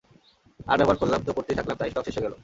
আর ব্যবহার করলাম, তো করতেই থাকলাম, তাই স্টক শেষ হয়ে গেল।